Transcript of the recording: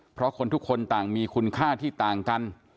เพราะคนทุกคนต่างมีคุณค่าที่ต่างกัน